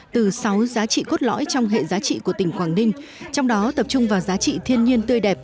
từ sáu giá trị cốt lõi trong hệ giá trị của tỉnh quảng ninh trong đó tập trung vào giá trị thiên nhiên tươi đẹp